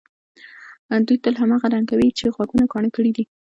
دوی تل هماغه ډنګوي چې غوږونه کاڼه کړي دي.